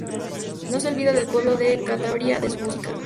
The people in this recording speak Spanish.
No se olvida del pueblo de Cantabria, de su música.